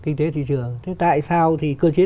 kinh tế thị trường thế tại sao thì cơ chế